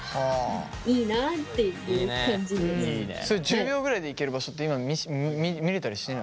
それ１０秒ぐらいで行ける場所って今見れたりしない？